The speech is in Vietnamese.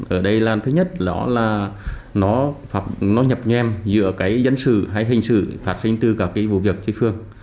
ở đây là thứ nhất nó nhập nhem giữa dân sự hay hình sự phát sinh từ các vụ việc chơi phưởng